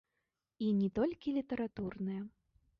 І не толькі літаратурныя.